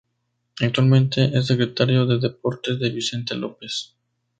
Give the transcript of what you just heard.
Actualmente es Secretario de Deportes de Vicente López.